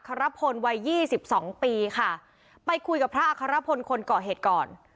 พระอัคราพลวัย๒๒ปีค่ะไปคุยกับพระอัคราพลคนเกาะเหตุก่อน